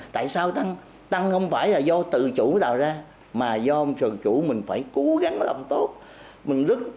tại sao tăng tăng không phải là do tự chủ tạo ra mà do tự chủ mình phải cố gắng làm tốt